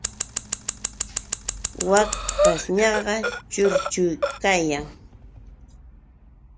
Wak pashñaqa churchu kayan.